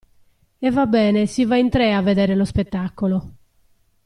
E va bene si va in tre a vedere lo spettacolo!